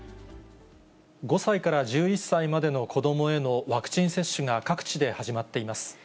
５歳から１１歳までの子どもへのワクチン接種が各地で始まっています。